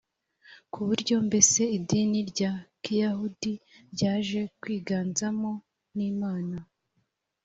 ku buryo mbese idini rya kiyahudi ryaje kwiganzamo n imana